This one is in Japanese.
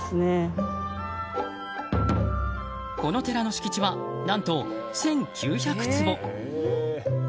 この寺の敷地は何と、１９００坪。